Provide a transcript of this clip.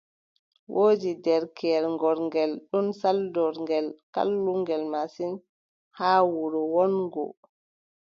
Woodi derkeyel gorngel ɗon, saldorngel, kallungel masin haa wuro wonngo.